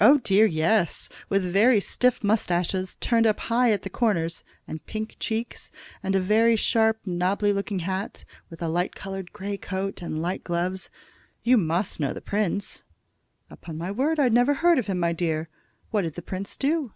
"Oh, dear, yes; with very stiff mustaches, turned up high at the corners, and pink cheeks, and a very sharp, nobby looking hat, with a light colored grey coat, and light gloves. You must know the prince." "Upon my word, I never heard of him, my dear. What did the prince do?"